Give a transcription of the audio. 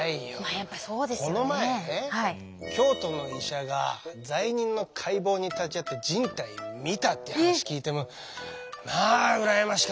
この前ね京都の医者が罪人の解剖に立ち会って人体を見たっていう話聞いてまあ羨ましかったね！